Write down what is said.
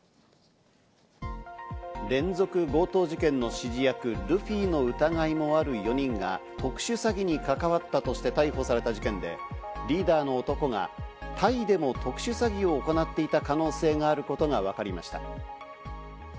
連続強盗事件の指示役・ルフィの疑いもある４人が特殊詐欺に関わったとして逮捕された事件で、リーダーの男がタイでも特殊詐欺を行っていた可能性があることがわかりました。